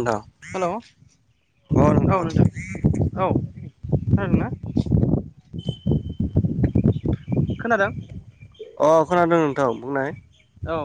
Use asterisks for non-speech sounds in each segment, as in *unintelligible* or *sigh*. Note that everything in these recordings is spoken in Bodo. नोंथां हेल' औ नोंथां औ खोनादोंना? खोनादों? अ खोनादों नोंथां बुंनाय। औ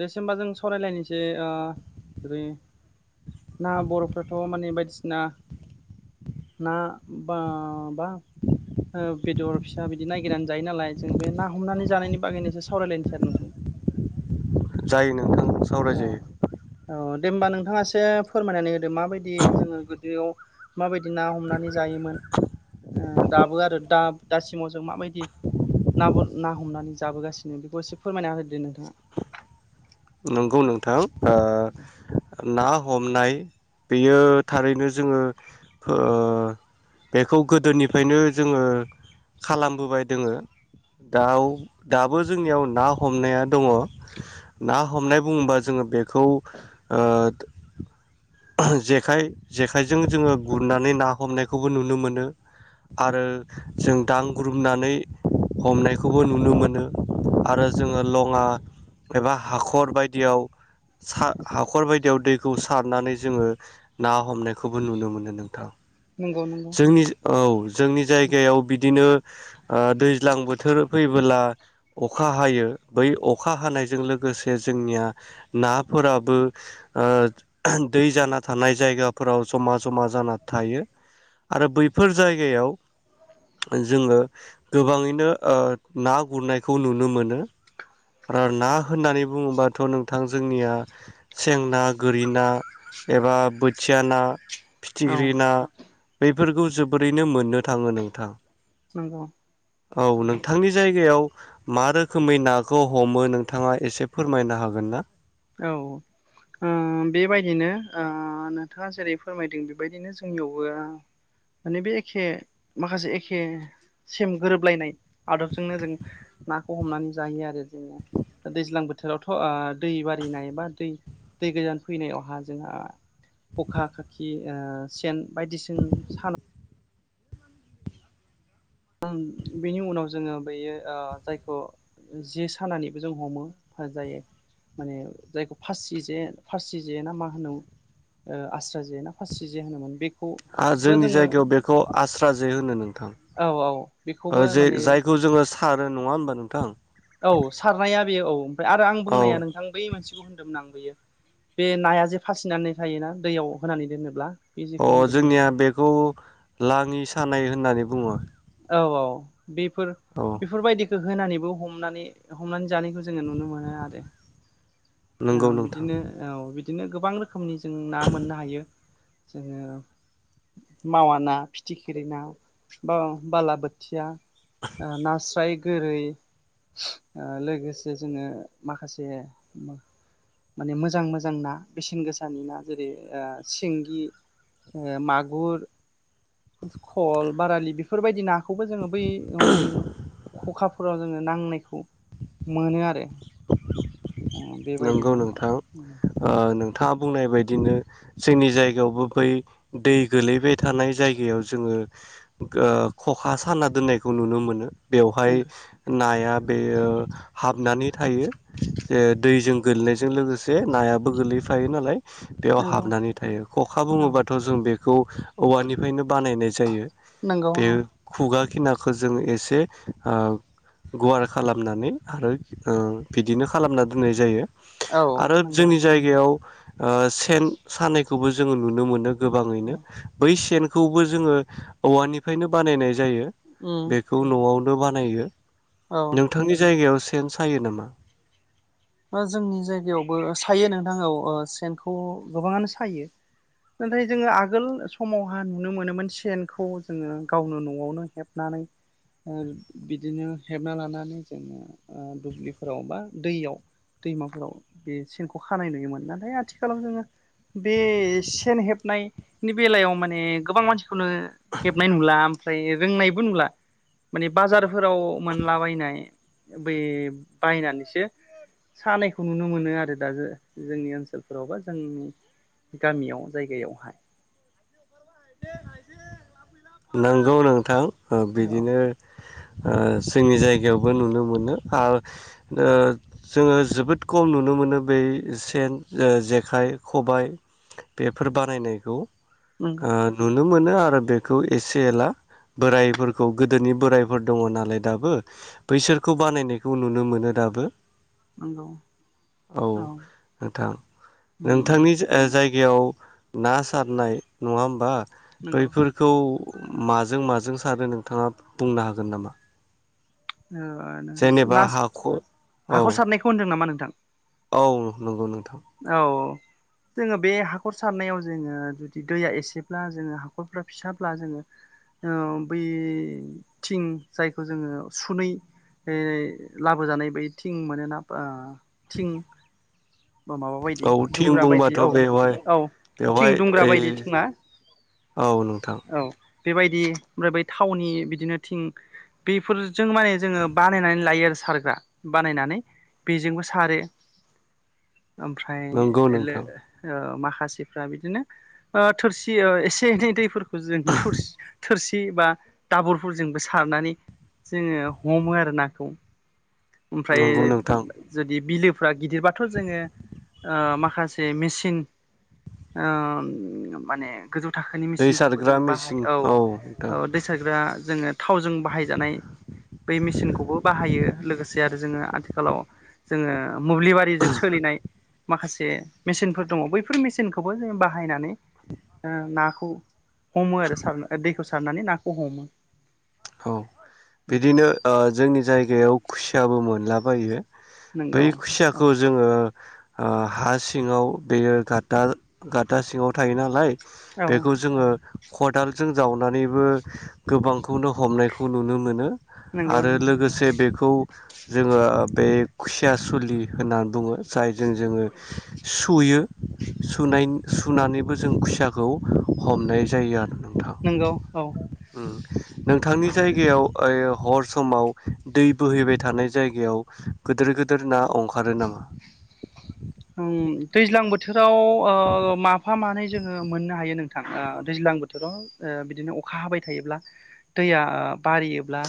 जेसेमबा जों सावरायलायनोसै ओ ओरै ना बर'फ्राथ माने बायदिसिना ना बा-बा बेदर फिसा बिदि नायागिरनानै जायो नालाय जों बे ना हमनानै जानायनि बागैनो इसे सावरायलायनो सै आरो नोंथां। जायो नोंथां। औ सावरायजायो औ दे होमबा नों थाङा एसे फोरमायनानै हो दो माबायदि जोङो गोदोआव माबायदि ना हमनानै जायोमोन ओ दाबो आरो दा दासिमाव जों माबायदि ना ना हमनानै जाबोगासिनो बेखौ एसे फोरमायना होदो नोंथाङा। नंगौ नोंथां ओ ना हमनाय बेयो थारैनो जोङो हो बेखौ गोदोनिफ्रायनो जोङो खालामबोबाय दोङो दाव दाबो जोंनियाव ना हमनाया दङ'। ना ह हमनाय बुङोबा जोङो बे खौ ओ जेखाय जेखायजों जोङो गुरनानै ना हमनायखौबो नुनो मोनो आरो जों दांग्रोमनानै हमनायखौबो नुनो मोनो आरो जोङो लङा एबा हाख खर बायदियाव हाखर बायदियाव दै खौ सारनानै जोङो ना हमनायखौबो नुनो मोनो नोंथां। नंगौ नंगौ जोंनि औ जोंनि जायगायाव बिदिनो ओ दैज्लां बोथोर फैबोला अखा हायो बै अखा हानायजों लोगोसे जोंनिया नाफोराबो ओ दै जाना थानाय जायगाफोराव जमा जमा जाना थायो। आरो बैफोर जायगायाव जोङो गोबाङैनो ओ ना गुरनायखौ नुनो मोनो। आरो ना होननानै बुङोबाथ' नोंथां जोंनिया सें ना, गोरि ना, एबा बोथिया ना औ फिथिख्रि ना बेफोरखौ जोबोरैनो मोननो थाङो नोंथां। नंगौ औ नोंथांनि जायगायाव मा रोखोमै नाखौ हमो नोंथाङा एसे फोरमायनो हागोन ना? औ। ओ बेबायदिनो ओ नोंथाङा जेरै फोरमायदों बेबायदिनो जोंनियावबो माने बे एखे माखासे एखे सेम गोरोबलायनाय आदबजोंनो जों नाखौ हमनानै जायो आरो। जोङो दैज्लां बोथोरावथ' ओ दैबारि फैनाय बा दै-दै गोदान फैनायावहा जोंहा ख'खा खाखि ओ सेन बायदिसिन साना ओं। बेनि उनाव जोङो बैयो ओ जायखौ जे सानानैबो जों हमो होजायो माने जायखौ फासि जे फासि जे ना मा होनोम आस्रा जे ना फासि जे होनोमोन बे आ जोंनि जायगायाव बेखौ आस्रा जे होनो नोंथां। औ औ बेखौबो ओ जे माने जायखौ जोङो सारो नङा होमबा नोंथां? औ सारनाया बेयो औ। आरो आं औ बुंनाया नोंथां बै मोनसे खौ होनदोंमोन आं बेयो बे नाया जे फासिनानै थायोना दैयाव होनानै दोनोब्ला बे जेखौ अ होनदोंमोन जोंनिया बेखौ लाङि सानाय हो होननानै बुङो। औ औ बेफोर औ बेफोरबायदि होनानैबो हमनानै हमनानै जानायखौ जोङो नुनो मोनो आरो औ नंगौ नोंथां बिदिनो औ बिदि नो गोबां रो खोमनि जों ना मोननो हायो जोङो मावा ना फिथिखिरि ना बा बालाबोथिया ओ नास्राय गोरै ओ लोगोसे जोङो माखासे माने मोजां मोजां ना बेसेन गोसानि ना जेरै ओ सिंगि ओ मागुर खल बारालि बेफोरबायदि ना खौबो जोङो बै ओं खखाफोराव जोङो नांनायखौ मोनो आरो *inaudible* *unintelligible* बेबाय गौ नोंथां ओ नों थाङा बुंनाय बायदिनो जोंनि जायगायावबो बै दै गोलैबाय थानाय जायगायाव जोङो ओ खखा साना दोननायखौ नुनो मोनो बेवहाय नंगौ ना या बेयो हाबनानै थायो जे दैजों गोलैनायजों लोगोसे नायाबो गोलैफायो नालाय बेयाव नंगौ हाबनानै थायो खखा औ बुङोबाथ जों बे खौ औवानिफ्रायनो बानायनाय जायो नंगौ बे औ खुगा खिनाखौ जों एसे ओ गुवार खालामनानै आरो ओ बिदिनो खालामना दोननाय जायो औ आरो नंगौ जोंनि जायगायाव ओ सेन सानायखौबो जोङो नुनो मोनो गोबाङैनो बै सेन खौबो जोङो औवानिफ्रायनो बानायनाय जायो उम बेखौ नआव बो बानायो औ नोंथांनि जायगायाव से सेन सायो नामा ओ जोंनि जायगायावबो सायो नोंथां औ ओ सेनखौ गोबाङानो सायो नाथाय जोङो आगोल समावहा नुनो मोनोमोन सेनखौ जोङो गावनो नआवनो हेबनानै ओ बिदिनो हेबना लानानै जोङो ओ दुब्लिफोराव बा दैयाव दैमाफोराव बे सेनखौ खानाय नुयोमोन नाथाय आथिखालाव जोङो बे सेन हेबनायनि बेलायाव माने गोबां मानसिखौनो हेबनाय नुला ओमफ्राय रोंनायबो नुला माने बाजार फोराव मोनलाबायनाय बै बायनानैसो सानायखौ नुनो मोनो आरो दा जों-जोंनि ओनसोलफोराव बा जोंनि गामियाव जायगायावहाय। नोंगौ नोंथां। ओ औ बिदिनो ओ जोंनि जायगायावबो नुनो मोनो आरो ओ जोङो जोबोद खम नुनो मोनो बै सेन ओ जेखाइ खबाय बेफोर बानायनायखौ। नंगौ ओ नुन नो मोनो आरो बेखौ एसे एला बोरायफोरखौ गोदोनि बोरायफोर दङ नालाय दाबो बैसोरखौ बानायनायखौ नुनो मोनो दाबो। नंगौ औ नोंथां उम नोंथांनि जा ओ जाय गायाव ना सारनाय नङा होमबा? नंगौ बैफोरखौ माजों माजों सारो नोंथाङा बुंनो हागोन नामा? ओ जेनेबा ना सा हाखर औ हाखर सारनायखौ होनदों नामा नों? थां। औ नंगौ नोंथां। औ जोङो बे हाखर सारनायाव जोङो जुदि दैया एसेब्ला जोङो हाखरफ्रा फिसाब्ला जोङो ओ बै थिं जायखौ जोङो सुनै ओ लाबोजानाय बै थिं मोनोना ओ थिं माबा बायदि औ थिं दुंग्रा बायदि बुंबाथ' औ बेवहाय औ थिं बेवहाय दुंग्रा ओइ बायदि थिङा औ नोंथां। औ बेबायदि ओमफ्राय बै थावनि बिदिनो थिं बेफोरजों माने जोङो बानायनानै लायो आरो सारग्रा बानायनानै बेजोंबो सारो। ओमफ्राय नंगौ ओ लो नोंथां ओ मा खासिफ्रा बिदिनो ओ थोरसि एसे एनै दैफोरखौ जों थुरस थोरसि सि बा दाबोरफोरजोंबो सारनानै जोङो हमो आरो नाखौ। ओमफ्राय नंगौ नोंथां जुदि बिलो गिदिरबाथ' जोङो ओ माखासे मेसिन ओ माने गोजौ थाखोनि दै मेसिनफोरखौ सारग्रा जों बाहायो मेचिन औ नोंथां औ दै सारग्रा जोङो थावजों बाहायजानाय बै मेसिनखौबो बाहायो लोगोसे *unintelligible* आरो जोङो आथिखालाव जोङो ओ मोब्लिबारिजों सोलिनाय माखासे मेचिनफोर दङ' बैफोर मेचिनखौबो जों बाहायनानै ओ नाखौ हमो आरो सारना दैखौ सारनानै नाखौ हमो। औ बिदिनो ओ जोंनि जायगायाव खुसियाबो मोनलाबायो। बै नंगौ औ खुसियाखौ जोङो ओ हा सिङाव बेयो घाता गाता सिङाव थायो नालाय औ बेखौ जोङो खदालजों जावनानैबो गोबांखौनो हमनायखौ नुनो मोनो। नंगौ आरो नंगौ लोगोसे बेख खौ जोङो बे खुसिया सुलि होनना बुङो। जायजों जोङो। सुयो सुनाइन सुनानैबो जों खुसियाखौ हमनाय जायो आरो न'। नोंगौ औ। नोंथांनि जायगायाव आय' हर समाव दै बोहैबाय थानाय जायगायाव गोदोर गोदोर ना अंखारो नामा? ओं दैज्लां बोथोर *unintelligible* ओ माफा मानै जोङो मोननो हायो नोंथां, ओ दैज्लां बोथोराव ओ बिदिनो अखा हाबाय थायोब्ला दैया ओ बारियोब्ला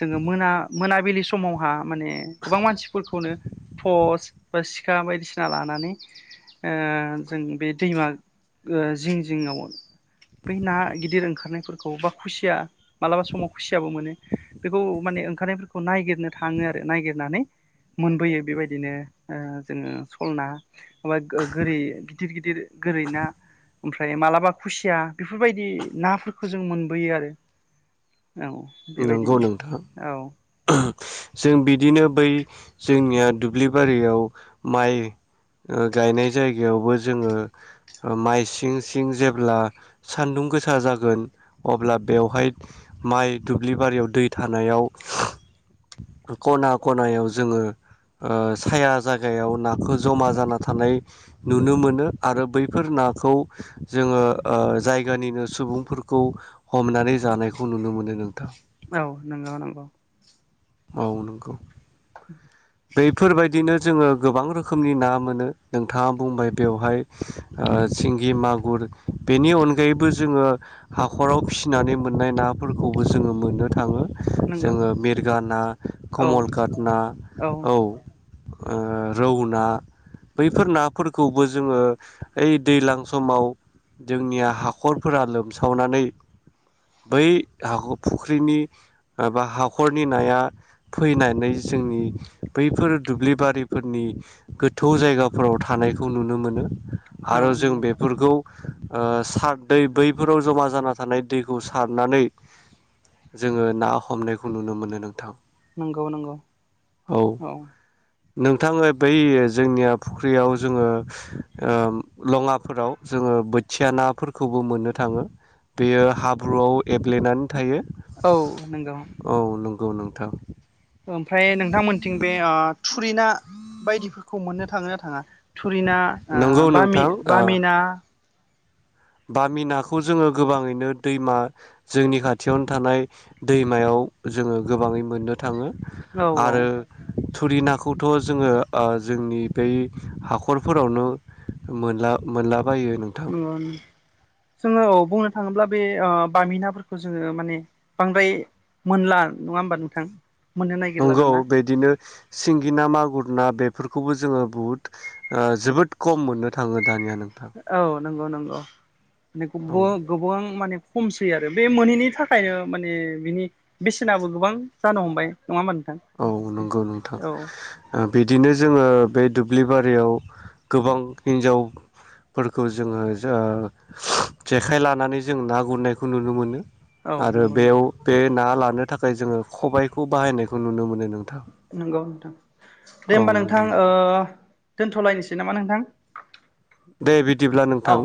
जोङो मोना। मोनाबिलि समावहा माने गोबां मानसिफोरखौनो स बा सिखा बायदिस ना लानानै, ओ जों बे दैमा ओ जिं जिङाव, बै ना गिदिर ओंखारनायफोरखौ बा खुसिया मालाबा समाव खुसियाबो मोनो। बेखौ माने ओंखारनायफोरखौ नायगिरनो थाङो आरो, नायगिरनानै मोनबोयो बेबायदिनो ओ जोङो। *unintelligible* ना *unintelligible* गो गोरि गिदिर गिदिर गोरै ना। ओमफ्राय मालाबा खुसिया, बेफोरबायदि नाफोरखौ जों मोनबोयो आरो। औ नंगौ बेबायदिनो नोंथां औ। जों बिदिनो बै जोंनिया दुब्लि बारियाव माइ गायनाय जायगायावबो, जोङो माइ सिं सिं जेब्ला सानदुं गोसा जागोन। अब्ला बेवहाय माइ दुब्लि बारियाव दै थानायाव खना खनायाव जोङो ओ साया जायगायाव नाखौ जमा जाना थानाय नुनो मोनो, आरो बैफोर नाखौ जोङो जायगानिनो सुबुंफोरखौ हमनानै जानायखौ नुनो मोनो। नों दा औ नंगौ नंगौ। औ नोंगौ। *inaudible* बेफोरबायदिनो जोङो गोबां रोखोमनि ना मोनो, नोंथाङा बुंबाय। बेवहाय ओ सिंगि मागुर बेनि अनगायैबो जोङो हाखराव फिसिनानै मोननाय नाफोरखौबो जोङो मोननो थाङो। नंगौ जोङो मिरगा ना, औ कमलघाट ना। औ। ओ रौ ना बैफोर नाफोरखौबो जोङो ओइ दैज्लां समाव जोंनिया हाखरफोरा लोमसावनानै बै हाख फुख्रिनि बा हाखरनि नाया फैनानै जोंनि बैफोर दुब्लिबारिफोरनि गोथौ जायगाफोराव थानायखौ नुनो मोनो। औ आरो जों नंगौ बेफोरखौ ओ सार दै बैफोराव जमा जाना थानाय दैखौ सारनानै जोङो ना हमनायखौ नुनो मोनो नोंथां। नोंगौ नोंगौ औ नोंथांनो बै जोंनिया फुख्रियाव जोङो ओ लङाफोराव जोङो बोथिया नाफोरखौबो मोननो थाङो बेयो हाब्रुआव एब्लेनानै थायो औ नोंगौ नंगौ औ नोंथां ओमफ्राय नोंथांमोनथिं बे आ थुरिना बायदिफोरखौ मोननो थाङो ना थाङा? थुरिना नंगौ बामि नोंथां ओ बामिना बामि नाखौ जोङो गोबाङैनो दैमा जोंनि खाथियावनो थानाय दैमायाव जोङो गोबाङै मोननो थाङो औ औ आरो थुरि नाखौथ' जोङो ओ जोंनि बै हाखरफोरावनो मोनला मोनला बायो नोंथां। नंगौ जोङो औ बुंनो थाङोब्ला बे ओ बामिनाफोरखौ जोङो माने बांद्राय मोनला नङा होमबा नोंथां? मोननो नागिरला नंगौ दाना बिदिनो सिंगि ना मागुर ना बे फोरखौबो जोङो बुहुत ओ जोबोद खम मोननो थाङो। दानिया नोंथां। नोंगौ नोंगौ औ बेखौबो गोबां माने खम फैयो आरो बे मोनैनि थाखायनो माने बिनि बेसेनाबो गोबां जानो हमबाय। नङा होमबा नोंथां औ नोंगौ नोंथां औ ओ बिदिनो जोङो बे दुब्लि बारियाव गोबां हिन्जाव फोरखौ जोङो जो जेखाइ लानानै जों ना गुरनायखौ नुनो मोनो। औ आरो नंगौ बेयाव नंगौ बे ना लागोन थाखाय जोङो खबायखौ बाहायनाय खौ नुनो मोनो नोंथां। नोंगौ नोंथां। दे औ होमबा नंगौ नोंथां ओ दोनथ'लायनोसै नामा नोंथां? दे बिदिब्ला नोंथां औ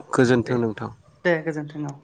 दे गोजोन्थों नोंथां। दे गोजोन्थों औ